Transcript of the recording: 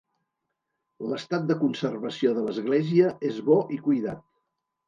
L'estat de conservació de l'església és bo i cuidat.